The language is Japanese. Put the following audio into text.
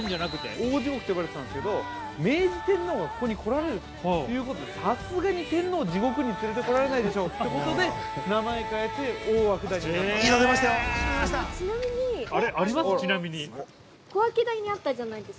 ◆大地獄って呼ばれてたんですけど明治天皇がここに来られるということでさすがに天皇を地獄に連れてこられないでしょうということで、名前を変えて大涌谷になったんです。